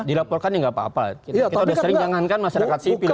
dilaporkan ya nggak apa apa kita udah sering jangankan masyarakat sipil